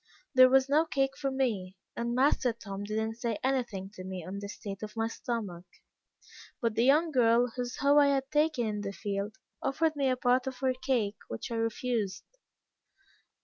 There was no cake for me, and master Tom did not say anything to me on the state of my stomach; but the young girl, whose hoe I had taken in the field, offered me a part of her cake, which I refused.